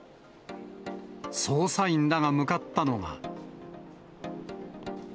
捜査員らが向かったのは。